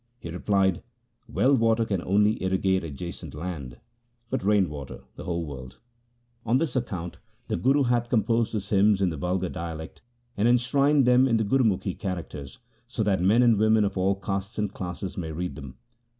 He replied, ' Well water can only irrigate adjacent land, but rain water the whole world. On this no THE SIKH RELIGION account the Guru hath composed his hymns in the vulgar dialect, and enshrined them in the Gurumukhi characters, so that men and women of all castes and classes may read them.'